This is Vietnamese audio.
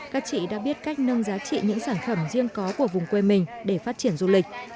các chị đã biết cách nâng giá trị những sản phẩm riêng có của vùng quê mình để phát triển du lịch